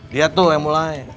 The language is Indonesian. dia tuh yang mulai